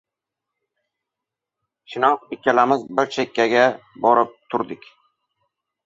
Chinoq ikkalamiz bir chekkaga borib turdik.